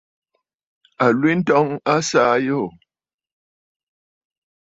Àlwintɔŋ a saà àyoò.